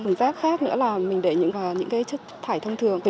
thùng rác khác nữa là mình để những chất thải thông thường